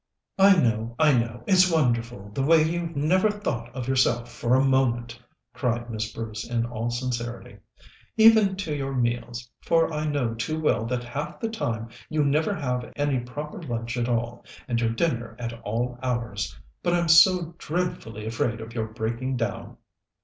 "I know, I know! It's wonderful, the way you've never thought of yourself for a moment," cried Miss Bruce in all sincerity. "Even to your meals, for I know too well that half the time you never have any proper lunch at all, and your dinner at all hours. But I'm so dreadfully afraid of your breaking down."